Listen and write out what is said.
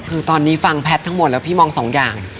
คือตอนนี้ฟังแพทย์ทั้งหมดแล้วพี่มองสองอย่าง